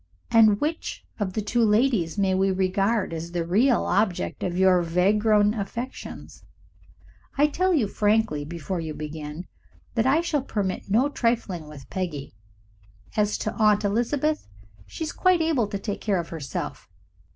and which of the two ladies may we regard as the real object of your vagrom affections? I tell you frankly, before you begin, that I shall permit no trifling with Peggy. As to Aunt Elizabeth, she is quite able to take care of herself."